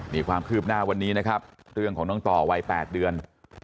นี่ความคืบหน้าวันนี้นะครับเรื่องของน้องต่อวัย๘เดือน